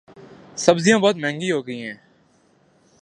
سبزیاں بہت مہنگی ہوگئی ہیں